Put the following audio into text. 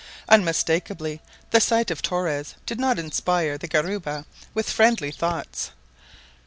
Unmistakably the sight of Torres did not inspire the guariba with friendly thoughts.